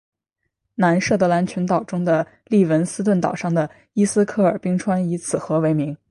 南设得兰群岛中的利文斯顿岛上的伊斯克尔冰川以此河为名。